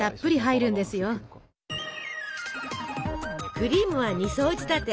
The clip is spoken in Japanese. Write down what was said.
クリームは２層仕立て。